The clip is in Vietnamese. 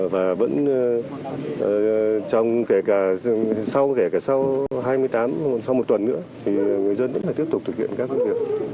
và vẫn kể cả sau hai mươi tám sau một tuần nữa thì người dân vẫn phải tiếp tục thực hiện các việc